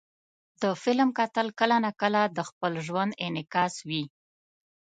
د فلم کتل کله ناکله د خپل ژوند انعکاس وي.